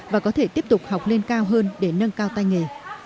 và có thể tiếp tục học lên cao hơn để nâng cao tay nghề